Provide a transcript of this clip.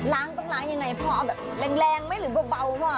ล้างต้องล้างอย่างไรพ่อเอาแบบแรงไหมหรือเบาพ่อ